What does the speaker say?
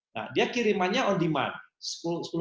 nah dia kirimannya on demand